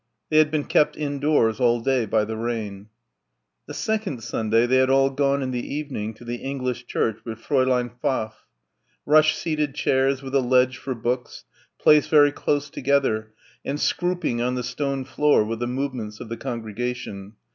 They had been kept indoors all day by the rain. The second Sunday they had all gone in the evening to the English church with Fräulein Pfaff ... rush seated chairs with a ledge for books, placed very close together and scrooping on the stone floor with the movements of the congregation